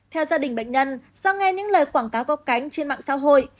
theo gia đình bệnh nhân do nghe những lời quảng cáo có cánh trên mạng xã hội